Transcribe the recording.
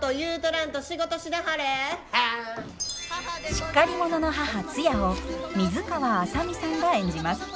しっかり者の母ツヤを水川あさみさんが演じます。